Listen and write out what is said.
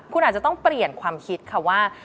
คุณอาจจะต้องเปลี่ยนความคิดค่ะว่า